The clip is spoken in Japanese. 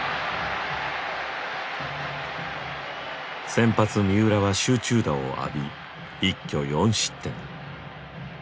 先発三浦は集中打を浴び一挙４失点。